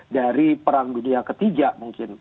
dari perang dunia ketiga mungkin